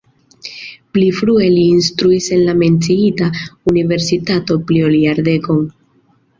Pli frue li instruis en la menciita universitato pli, ol jardekon.